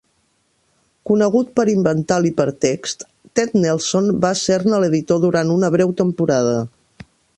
Conegut per inventar l'hipertext, Ted Nelson va ser-ne l'editor durant una breu temporada.